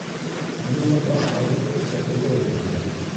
— Ниңә баш ҡаңғыртып ләпелдәйбеҙ һуң?